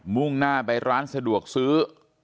มุ่งหน้าไปร้านสะดวกซื้อ